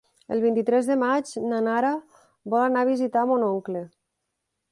El vint-i-tres de maig na Nara vol anar a visitar mon oncle.